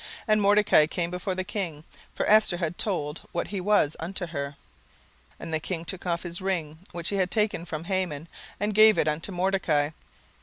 And Mordecai came before the king; for Esther had told what he was unto her. 17:008:002 And the king took off his ring, which he had taken from Haman, and gave it unto Mordecai.